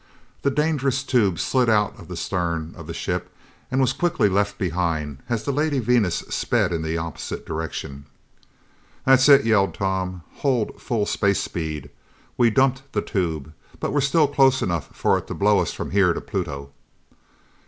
The dangerous tube slid out of the stern of the ship and was quickly left behind as the Lady Venus sped in the opposite direction. "That's it," yelled Tom, "hold full space speed! We dumped the tube, but we're still close enough for it to blow us from here to Pluto!"